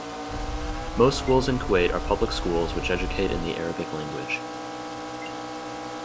Most schools in Kuwait are public schools which educate in the Arabic language.